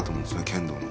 剣道の。